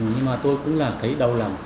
nhưng mà tôi cũng là thấy đau lòng